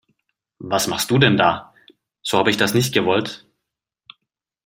Was machst du denn da, so habe ich das nicht gewollt.